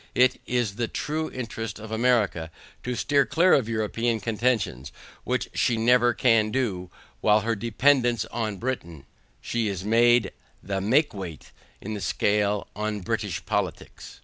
It is the true interest of America to steer clear of European contentions, which she never can do, while by her dependance on Britain, she is made the make weight in the scale on British politics.